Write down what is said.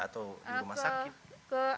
atau di rumah sakit